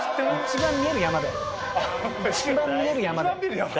一番見える山？